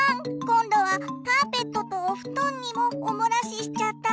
今度はカーペットとお布団にもおもらししちゃった。